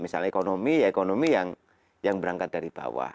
misalnya ekonomi ya ekonomi yang berangkat dari bawah